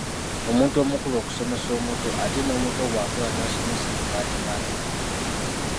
Omuntu omukulu okusomesa omuto ate n'omuto bw'akula n'asomesa abo baliba azadde.